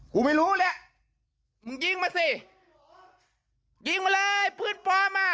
กูไม่รู้แหละมึงยิงมาสิยิงมาเลยปืนปลอมอ่ะ